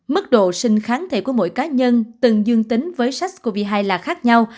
mức độ sinh kháng thể của mỗi cá nhân từng dương tính với sars cov hai là khác nhau